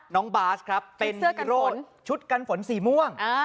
น้องบาสเป็นฮีโร่ชุดกันฝนสีม่วง